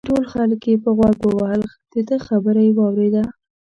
ټول خلک یې په غوږ ووهل دده خبره یې واورېده.